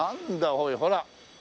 おいほら。